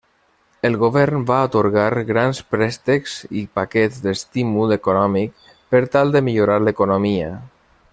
El govern va atorgar grans préstecs i paquets d'estímul econòmic per tal de millorar l'economia.